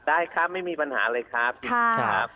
ได้ครับไม่มีปัญหาเลยครับ